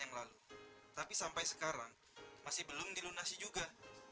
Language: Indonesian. yang lalu tapi sampai sekarang masih belum dilunasi juga